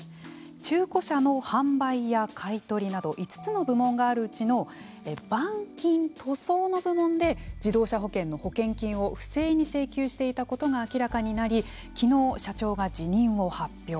中古車の販売や買い取りなど５つの部門があるうちの板金・塗装の部門で自動車保険の保険金を不正に請求していたことが明らかになり昨日、社長が辞任を発表。